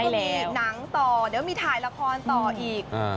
มีหนังต่อเดี๋ยวมีถ่ายละครต่ออีก